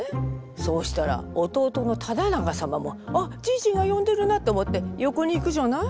そうしたら弟の忠長様も「あっじいじが呼んでるな」と思って横に行くじゃない？